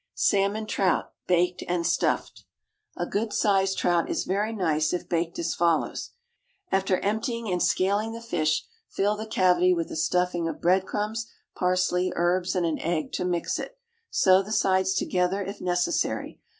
=Salmon Trout, Baked and Stuffed.= A good sized trout is very nice if baked as follows: After emptying and scaling the fish, fill the cavity with a stuffing of breadcrumbs, parsley, herbs, and an egg to mix it; sew the sides together if necessary.